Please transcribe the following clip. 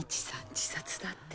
自殺だって。